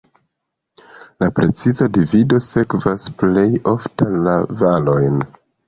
La preciza divido sekvas plej ofte la valojn.